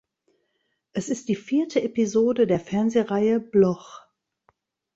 Es ist die vierte Episode der Fernsehreihe "Bloch".